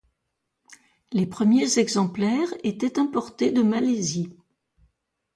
Les premiers exemplaires étaient importés de Malaisie.